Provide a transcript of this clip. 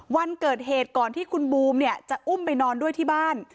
วันเกิดเหตุก่อนที่คุณบูมเนี่ยจะอุ้มไปนอนด้วยที่บ้าน